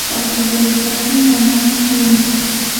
او په جرګه کې منلې وو .